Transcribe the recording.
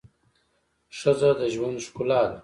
ښځه د ژوند ښکلا ده